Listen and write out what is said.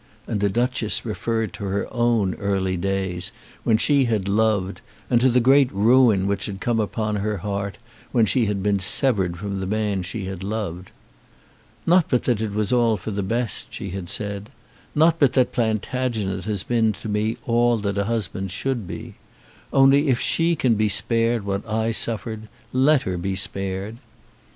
And the Duchess referred to her own early days when she had loved, and to the great ruin which had come upon her heart when she had been severed from the man she had loved. "Not but that it has been all for the best," she had said. "Not but that Plantagenet has been to me all that a husband should be. Only if she can be spared what I suffered, let her be spared."